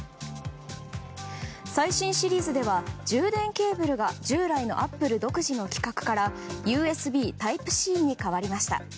最新シリーズでは充電ケーブルが従来のアップル独自の規格からＵＳＢＴｙｐｅ‐Ｃに変わりました。